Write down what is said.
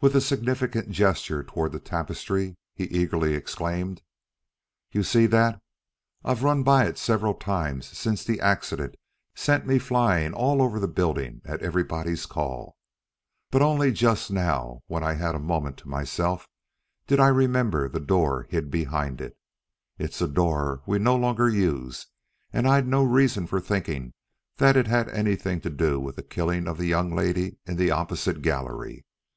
With a significant gesture toward the tapestry, he eagerly exclaimed: "You see that? I've run by it several times since the accident sent me flying all over the building at everybody's call. But only just now, when I had a moment to myself, did I remember the door hid behind it. It's a door we no longer use, and I'd no reason for thinking it had anything to do with the killing of the young lady in the opposite gallery.